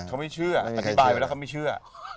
เขาไม่เชื่ออธิบายไปแล้วเขาไม่เชื่อ